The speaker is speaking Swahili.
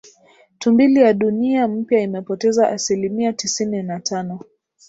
tumbili ya Dunia Mpya imepoteza asilimia tisini na tano